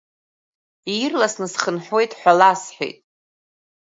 Ирласны схынҳәуеит ҳәа ласҳәеит.